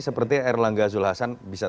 seperti erlangga zulkifli hasan bisa